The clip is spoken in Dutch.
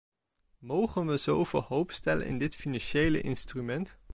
Mogen we zoveel hoop stellen in dit financiële instrument?